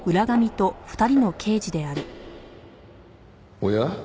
おや？